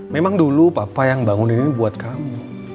memang dulu papa yang bangunin ini buat kamu